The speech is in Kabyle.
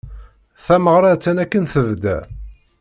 Tameɣra attan akken tebda.